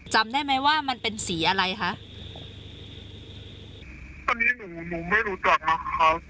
จำได้ไหมว่ามันเป็นสีอะไรคะตอนนี้หนูหนูไม่รู้จักนะคะ